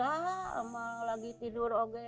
ada emak lagi tidur